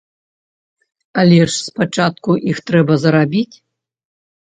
Але ж спачатку іх трэба зарабіць!